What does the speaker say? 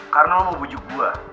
karena lo mau bujuk gue